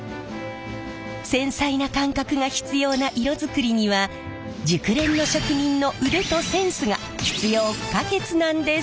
繊細な感覚が必要な色作りには熟練の職人の腕とセンスが必要不可欠なんです！